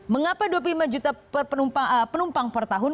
mengapa dua puluh lima juta penumpang per tahun